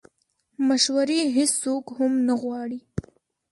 مشورې هیڅوک هم نه غواړي